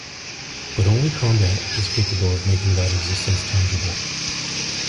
But only combat is capable of making that existence tangible.